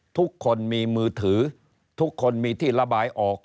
ทุกคนมีมือถือทุกคนมีที่ระบายออก